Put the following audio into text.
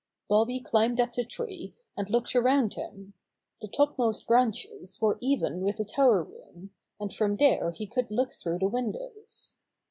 Bobby climbed up the tree and looked around him. The topmost branches were even with the tower room, and from there he could look through the windows.